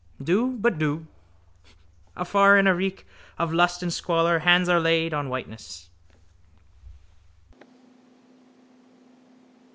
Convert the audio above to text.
Do. But do. Afar, in a reek of lust and squalor, hands are laid on whiteness.